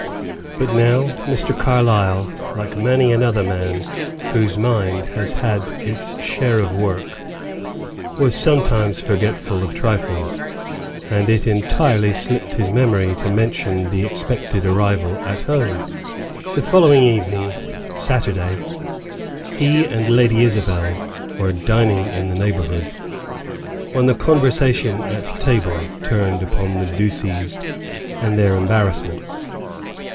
But now Mr. Carlyle, like many another man whose mind has its share of work, was sometimes forgetful of trifles, and it entirely slipped his memory to mention the expected arrival at home. The following evening, Saturday, he and Lady Isabel were dining in the neighborhood, when the conversation at table turned upon the Ducies and their embarrassments.